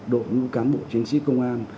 đội ngũ cán bộ chiến sĩ công an